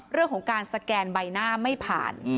เรื่องของการสแกนใบหน้าไม่ผ่าน